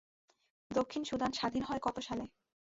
দক্ষিণ সুদান স্বাধীন হয় কত সালে?